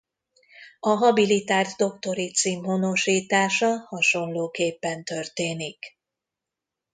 A habilitált doktori cím honosítása hasonlóképpen történik.